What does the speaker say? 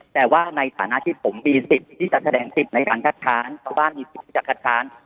แต่ว่าในฐานะที่ผมมีสิทธิ์ที่จะแสดงสิทธิ์ในทางคัดค้านชาวบ้านมีสิทธิ์ที่จะคัดค้าน